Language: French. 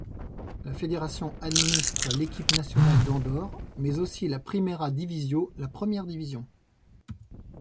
La fédération administre l'équipe nationale d'Andorre, mais aussi la Primera Divisió, la première division.